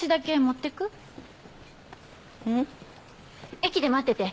駅で待ってて。